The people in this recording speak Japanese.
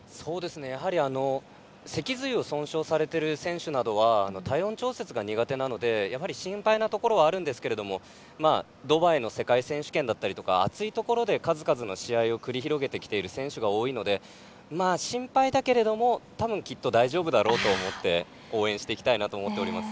脊髄を損傷されている選手などは体温調節が苦手なので心配なところはあるんですけれどドバイの世界選手権だったりとか暑いところで数々の試合を繰り広げてきている選手が多いので心配だけれどもきっと大丈夫だろうと思って応援していきたいと思っております。